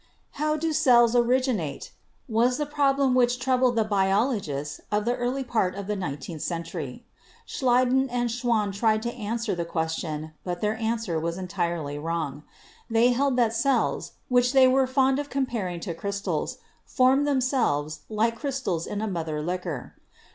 "How do cells originate?" was the problem which troubled the biologists of the early part of the nineteenth century. Schleiden and Schwann tried to answer the question, but their answer was entirely wrong. They held that cells, which they were fond of comparing to crystals, formed themselves like crystals in a mother liquor.